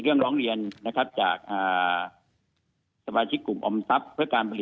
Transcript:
ขอเรียนอย่างงี้นะครับช่องการ์ด